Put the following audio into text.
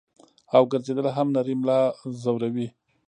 او ګرځېدل هم نرۍ ملا زوري -